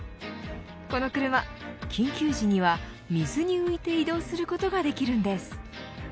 この車緊急時には水に浮いて移動することができるんです。